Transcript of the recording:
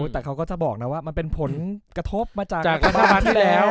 แต่เขาก็จะบอกนะว่ามันเป็นผลกระทบมาจากรัฐบาลที่แล้ว